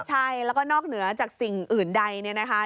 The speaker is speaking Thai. ใช่แล้วก็นอกเหนือจากสิ่งอื่นใดเนี่ยนะคะ